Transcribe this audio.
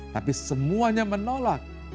tapi semuanya menolak